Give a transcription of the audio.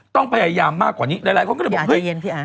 ต้องพยายามมากกว่านี้หลายคนก็เลยบอกเฮ้ย